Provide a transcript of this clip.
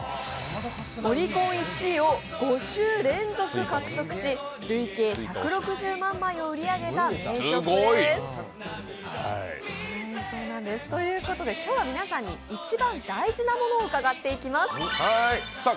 オリコン１位を５週連続獲得し累計１６０万枚を売り上げた名曲ですということで、今日は皆さんに一番大事なものを伺っていきます。